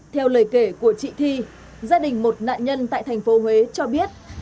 theo lời kể của chị thi gia đình một nạn nhân tại thành phố huế cho biết